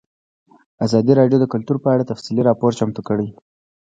ازادي راډیو د کلتور په اړه تفصیلي راپور چمتو کړی.